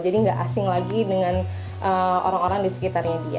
jadi enggak asing lagi dengan orang orang di sekitarnya dia